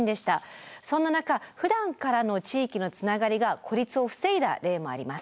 そんな中ふだんからの地域のつながりが孤立を防いだ例もあります。